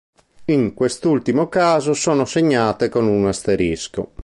In quest'ultimo caso sono segnate con un asterisco.